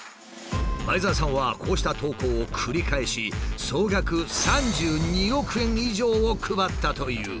前澤さんはこうした投稿を繰り返し総額３２億円以上を配ったという。